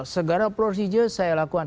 segala prosedur saya lakukan